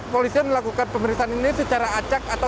kepolisian kampung jawa barat